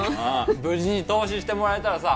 無事に投資してもらえたらさ